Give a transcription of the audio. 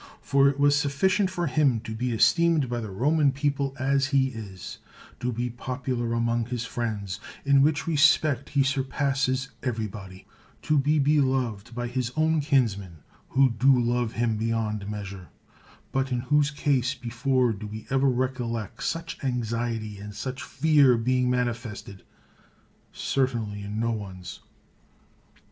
For it was sufficient for him to be esteemed by the Roman people as he is; to be popular among his friends, in which respect he surpasses everybody; to be beloved by his own kinsmen, who do love him beyond measure ; but in whose case before do we ever recollect such anxiety and such fear being manifested? Cer tainly in no one's.